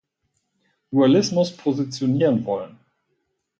Dualismus positionieren wollen.